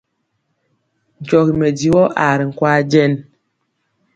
Nkyɔgi mɛdivɔ aa ri nkwaaŋ jɛn.